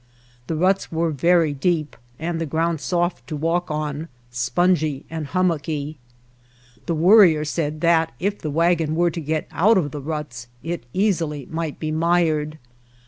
The ruts were very deep and the ground soft to walk on, spongy and hummocky. The Worrier said that if the wagon were to get out of the ruts it easily might be mired.